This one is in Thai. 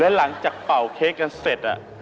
หลังจากเป่าเค้กกันเสร็จ